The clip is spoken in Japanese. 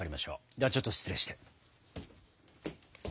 ではちょっと失礼して。